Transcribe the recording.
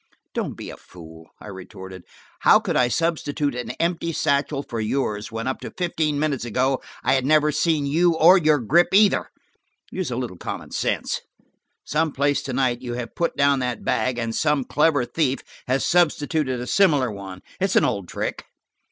"Don't be a fool," I retorted. "How could I substitute an empty satchel for yours when up to fifteen minutes ago I had never seen you or your grip either? Use a little common sense. Some place tonight you have put down that bag, and some clever thief has substituted a similar one. It's an old trick."